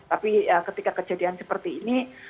tapi ketika kejadian ini